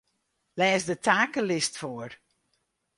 Lês de takelist foar.